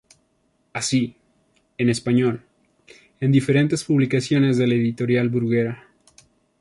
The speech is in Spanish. Así, en español, en diferentes publicaciones de la editorial Bruguera.